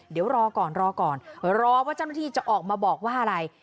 เดี๋ยวรอก่อนรอก่อนรอว่าเจ้าหน้าที่จะออกมาบอกว่าอะไร